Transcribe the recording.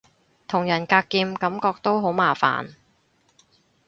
同人格劍感覺都好麻煩